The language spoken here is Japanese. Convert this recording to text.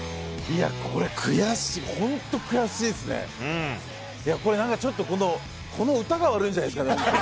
いや、これなんかちょっと、この歌が悪いんじゃないですかね。